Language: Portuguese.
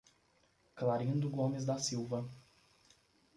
Clarindo Gomes da Silva